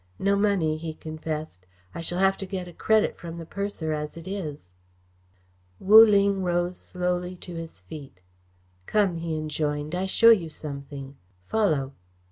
"No money," he confessed. "I shall have to get a credit from the purser as it is." Wu Ling rose slowly to his feet. "Come," he enjoined. "I show you something. Follow!"